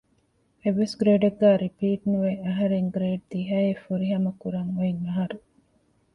އެއްވެސް ގްރޭޑެއްގައި ރިޕީޓް ނުވެ އަހަރެން ގްރޭޑް ދިހައެއް ފުރިހަމަ ކުރަން އޮތްއަހަރު